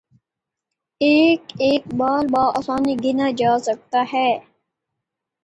ایک ایک بال با آسانی گنا جا سکتا تھا